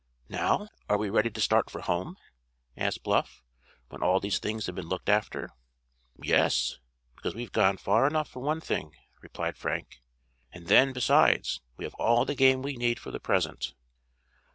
"Now, are we ready to start for home?" asked Bluff, when all these things had been looked after. "Yes, because we've gone far enough for one thing," replied Frank; "and then, besides, we have all the game we need for the present."